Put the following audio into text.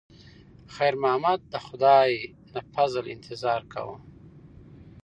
خیر محمد د خدای د فضل انتظار کاوه.